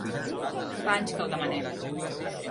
Fa anys que ho demanem.